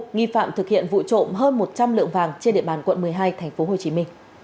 nghi phạm thực hiện vụ trộm hơn một trăm linh lượng vàng trên địa bàn quận một mươi hai tp hcm